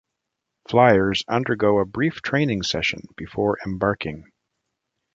Fliers undergo a brief training session before embarking.